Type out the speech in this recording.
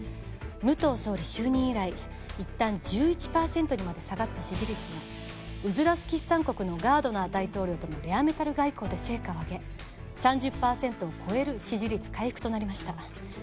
武藤総理就任以来いったん１１パーセントにまで下がった支持率もウズラスキスタン国のガードナー大統領とのレアメタル外交で成果を上げ３０パーセントを超える支持率回復となりました。